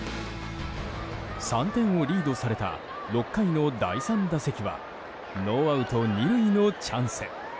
３点をリードされた６回の第３打席はノーアウト２塁のチャンス。